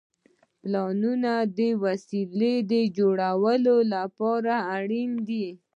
پلانونه د وسیلې د جوړولو لپاره اړین دي.